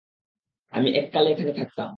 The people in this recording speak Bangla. আমি এককালে এখানে থাকতাম।